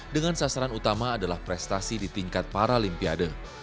dengan sasaran utama adalah prestasi di tingkat paralimpiade